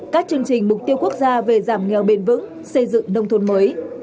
các chương trình mục tiêu quốc gia về giảm nghèo bền vững xây dựng nông thôn mới